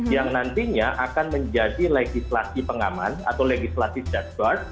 yang nantinya akan menjadi legislasi pengaman atau legislasi safeguard